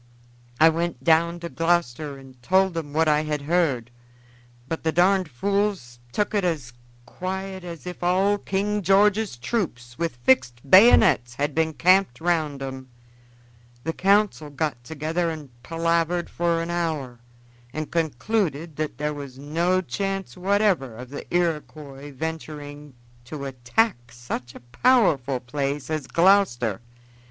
I went down to Gloucester and told 'em what I had heard, but the darned fools tuk it as quiet as if all King George's troops with fixed bayonets had been camped round 'em. The council got together and palavered for an hour, and concluded that there was no chance whatever of the Iroquois venturing to attack such a powerful place as Gloucester.